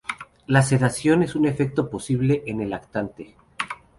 La sedación es un efecto posible en el lactante.